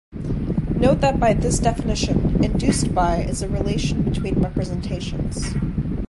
Note that by this definition, "induced by" is a relation between representations.